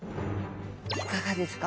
いかがですか？